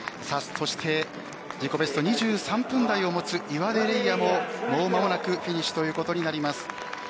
そして自己ベスト２３分台を持つ岩出玲亜ももう間もなくフィニッシュということになります。